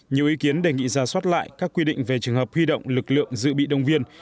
nhiều ý kiến đề nghị ra soát lại các quy định về trường hợp huy động lực lượng dự bị đồng viên